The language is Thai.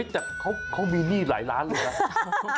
แต่เขามีหนี้หลายล้านเลยนะ